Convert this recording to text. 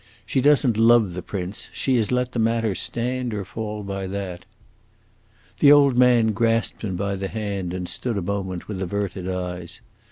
She does n't love the prince; she has let the matter stand or fall by that." The old man grasped him by the hand and stood a moment with averted eyes.